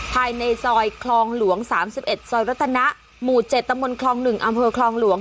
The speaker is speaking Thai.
ภายในซอยคลองหลวง๓๑ซอยรัตนะหมู่๗ตำบลคลอง๑อำเภอคลองหลวง